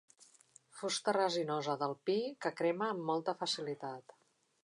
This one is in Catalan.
Fusta resinosa del pi, que crema amb molta facilitat.